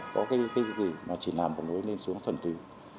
chỉ làm một lối lên xuống thuần tùy